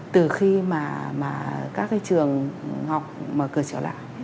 từ khi mà các cái trường học mở cửa trở lại